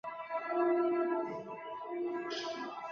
所有法院的设置和职能都是由法院组织法规定的。